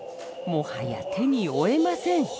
もはや手に負えません。